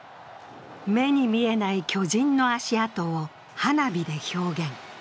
目に見えない巨人の足跡を花火で表現。